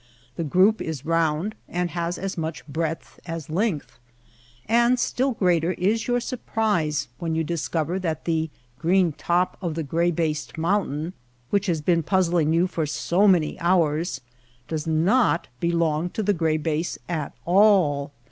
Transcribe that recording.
The group is round, and has as much breadth as length. And still greater is your surprise when you discover that the green top ILLUSIONS 113 of the gray based mountain, which has been puzzling you for so many hours, does not be long to the gray base at all.